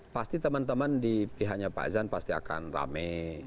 pasti teman teman di pihaknya pak azan pasti akan rame